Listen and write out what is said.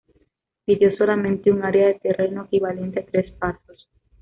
Pidió solamente un área de terreno equivalente a tres pasos.